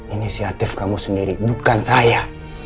inisiatif kamu sendiri bukan saya